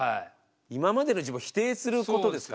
今までの自分を否定することですからね。